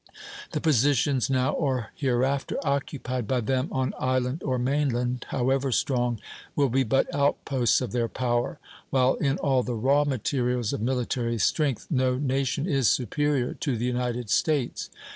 The positions now or hereafter occupied by them on island or mainland, however strong, will be but outposts of their power; while in all the raw materials of military strength no nation is superior to the United States.